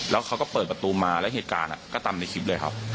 แล้วเขาก็เปิดประตูมาแล้วเหตุการณ์ก็ตามในคลิปเลยครับ